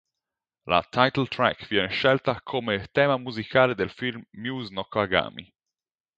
La title track viene scelta come tema musicale del film "Muse no kagami".